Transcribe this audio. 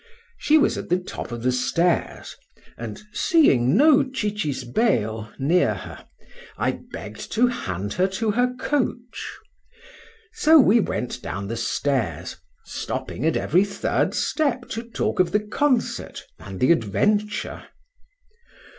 She was at the top of the stairs; and seeing no cicisbeo near her, I begg'd to hand her to her coach;—so we went down the stairs, stopping at every third step to talk of the concert and the adventure.